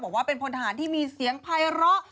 บอกว่าเป็นพนธาตุที่มีเสียงไภระ